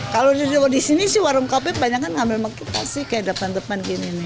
kalau di sini sih warung kopi banyak kan ngambil mak kita sih kayak depan depan gini nih